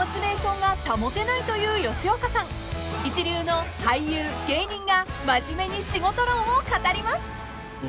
［一流の俳優芸人が真面目に仕事論を語ります］